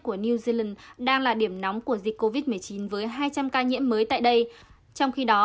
new zealand đang là điểm nóng của dịch covid một mươi chín với hai trăm linh ca nhiễm mới tại đây trong khi đó